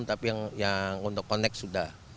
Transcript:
tapi yang untuk connect sudah